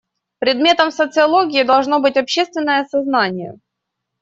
Предметом социологии должно быть общественное сознание.